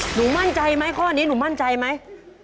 หนูมั่นใจไหมข้อนี้หนูมั่นใจไหม